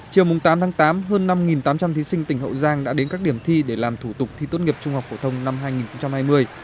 chiều tám tháng tám hơn năm tám trăm linh thí sinh tỉnh hậu giang đã đến các điểm thi để làm thủ tục thi tốt nghiệp trung học phổ thông năm hai nghìn hai mươi